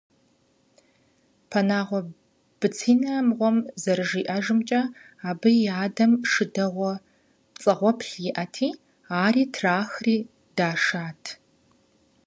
Пэнагуэ Быцинэ мыгъуэм зэрыжиӏэжамкӏэ, абы и адэм шы дэгъуэ пцӏэгъуэплъу иӏэти, ари трахри дашат.